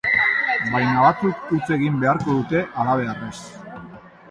Baina batzuk huts egin beharko dute halabeharrez.